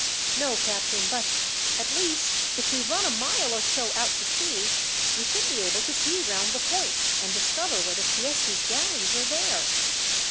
"No, captain; but, at least, if we run a mile or so out to sea, we should be able to see round the point, and discover whether Fieschi's galleys are there."